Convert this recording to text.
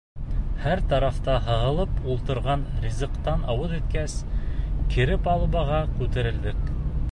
Һәр тарафта һығылып ултырған ризыҡтан ауыҙ иткәс, кире палубаға күтәрелдек.